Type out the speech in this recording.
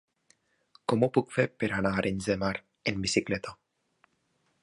Com ho puc fer per anar a Arenys de Mar amb bicicleta?